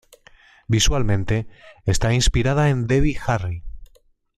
Visualmente, está inspirada en Debbie Harry.